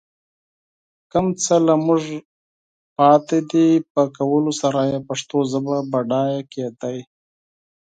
کوم څه له موږ پاتې دي، په کولو سره يې پښتو ژبه بډايه کېدای